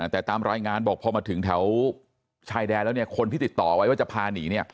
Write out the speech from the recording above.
แต่ตามรายงานบอกพอมาถึงแถวชายแดนแล้วเนี่ยคนที่ติดต่อไว้ว่าจะพาหนี